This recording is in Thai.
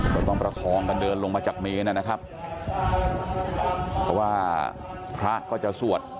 ก็ต้องประคองกันเดินลงมาจากเมนนะครับเพราะว่าพระก็จะสวด